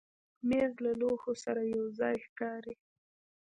مېز له لوښو سره یو ځای ښکاري.